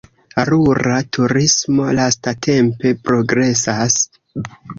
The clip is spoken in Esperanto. Rura turismo lastatempe progresas.